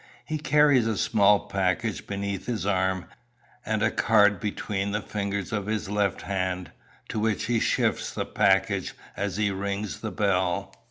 He carries a small package beneath his arm, and a card between the fingers of his left hand, to which he shifts the package as he rings the bell.